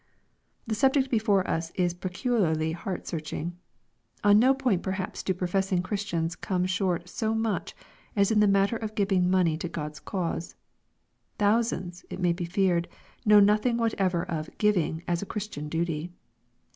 The subject before us is peculiarly heart searching. On no point perhaps do professing Christians come short so much as in the matter of giving money to God's cause. Thousands, it may be feared, know nothing whatever of " giving" as a Christian duty.